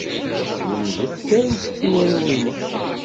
Teslemded tarusit i warraw-inek.